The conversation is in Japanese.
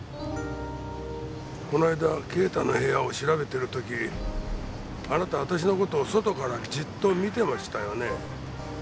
この間啓太の部屋を調べてる時あなた私の事を外からじっと見てましたよね。